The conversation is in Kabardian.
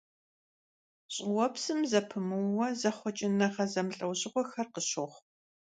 ЩӀыуэпсым зэпымыууэ зэхъукӀэныгъэ зэмылӀэужьыгъуэхэр къыщохъу.